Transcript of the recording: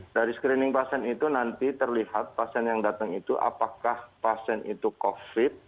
dari screening pasien itu nanti terlihat pasien yang datang itu apakah pasien itu covid